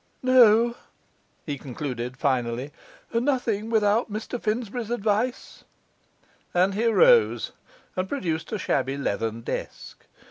'No,' he concluded finally, 'nothing without Mr Finsbury's advice.' And he arose and produced a shabby leathern desk.